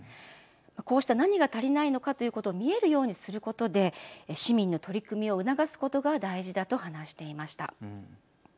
こうした何が足りないのかということを見えるようにすることで市民の取り組みを促すことが大事だと話していました。